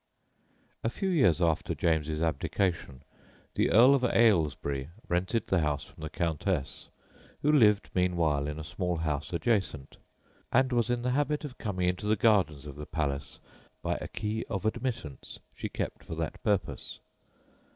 A few years after James's abdication, the Earl of Ailesbury rented the house from the Countess, who lived meanwhile in a small house adjacent, and was in the habit of coming into the gardens of the palace by a key of admittance she kept for that purpose.